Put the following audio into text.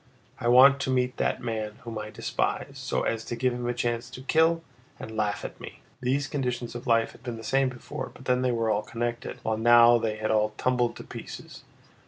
I want to meet that man whom I despise, so as to give him a chance to kill and laugh at me!" These conditions of life had been the same before, but then they were all connected, while now they had all tumbled to pieces.